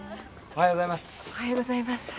おはようございます。